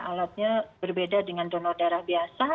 alatnya berbeda dengan donor darah biasa